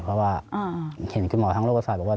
เพราะว่าเห็นคุณหมอทางโรคสายบอกว่า